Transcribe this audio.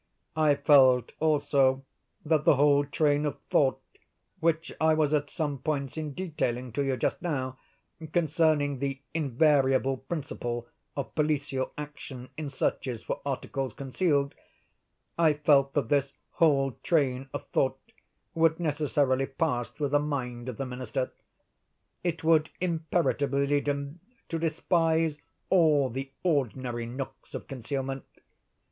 I felt, also, that the whole train of thought, which I was at some pains in detailing to you just now, concerning the invariable principle of policial action in searches for articles concealed—I felt that this whole train of thought would necessarily pass through the mind of the Minister. It would imperatively lead him to despise all the ordinary nooks of concealment.